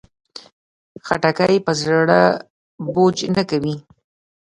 خټکی پر زړه بوج نه کوي.